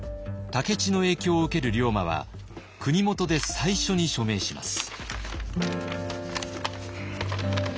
武市の影響を受ける龍馬は国元で最初に署名します。